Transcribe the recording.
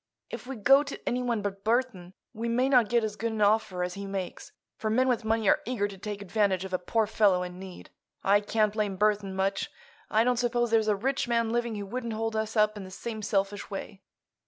If we go to anyone but Burthon we may not get as good an offer as he makes, for men with money are eager to take advantage of a poor fellow in need. I can't blame Burthon much. I don't suppose there's a rich man living who wouldn't hold us up in the same selfish way.